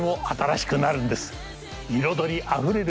彩りあふれる